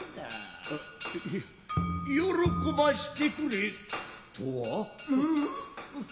よろこばしてくれとは。